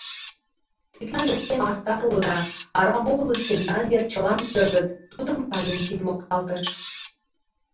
— Тидланже те мастар улыда, арам огылыс тендан йыр чылан пӧрдыт, — тудым Калинкин мокталтыш.